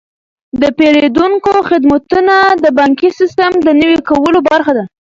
د پیرودونکو خدمتونه د بانکي سیستم د نوي کولو برخه ده.